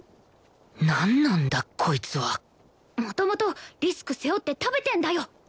なんなんだこいつは元々リスク背負って食べてんだよ！